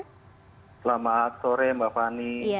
selamat sore mbak fani